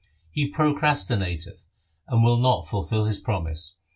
' He procrastinateth, and will not fulfil his promise.